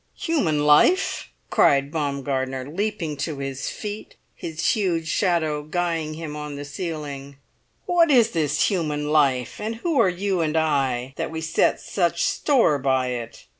"Human life!" cried Baumgartner, leaping to his feet, his huge shadow guying him on the ceiling. "What is this human life, and who are you and I, that we set such store by it?